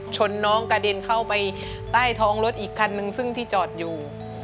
น้องกระเด็นเข้าไปใต้ท้องรถอีกคันนึงซึ่งที่จอดอยู่